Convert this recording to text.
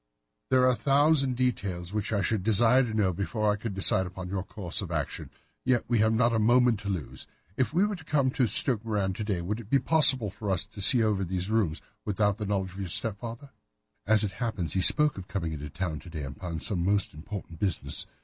"There are a thousand details which I should desire to know before I decide upon our course of action. Yet we have not a moment to lose. If we were to come to Stoke Moran to day, would it be possible for us to see over these rooms without the knowledge of your stepfather?" "As it happens, he spoke of coming into town to day upon some most important business.